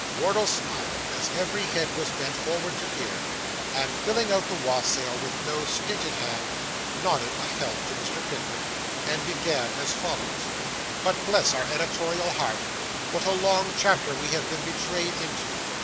Wardle smiled, as every head was bent forward to hear, and filling out the wassail with no stinted hand, nodded a health to Mr. Pickwick, and began as follows But bless our editorial heart, what a long chapter we have been betrayed into!